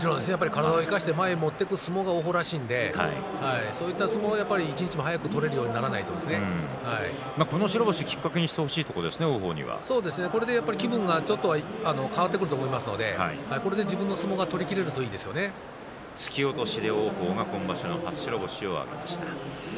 体を生かして前に出ていく相撲が王鵬らしいのでそういう相撲が一日も早く取れるようにこの相撲をきっかけにしてこれで気分が変わってくると思いますのでこれで自分の相撲が王鵬が今場所の初白星を挙げました。